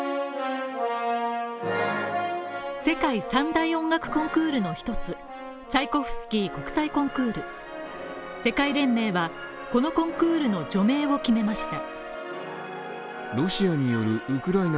世界３大音楽コンクールの一つ、チャイコフスキー国際コンクール世界連盟はこのコンクールの除名を決めました。